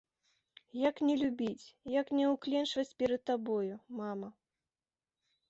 Як не любіць, як не ўкленчваць перад табой, мама?!